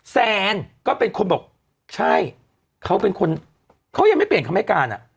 แซนก็เป็นคนบอกใช่เขาเป็นคนเขายังไม่เปลี่ยนคำให้การอ่ะ